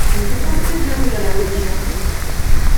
Il se tourne très jeune vers la religion.